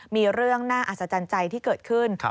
มีเรื่องน่าอัศจรรย์ใจที่เกิดขึ้น